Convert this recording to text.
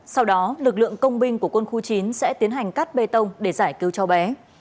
sau đó lực lượng công binh của quân khu chín sẽ tiến hành cắt bê tông để giải cứu cháu bé